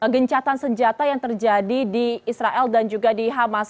gencatan senjata yang terjadi di israel dan juga di hamas